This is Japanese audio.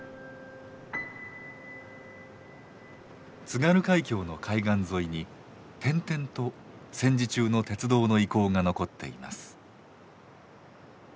津軽海峡の海岸沿いに点々と戦時中の鉄道の遺構が残っています。